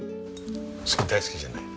それ大好きじゃない？